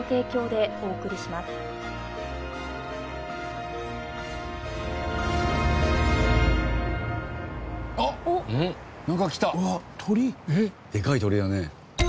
でかい鳥だね。